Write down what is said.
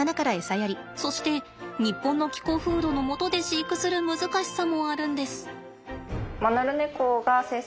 そして日本の気候風土のもとで飼育する難しさもあるんです。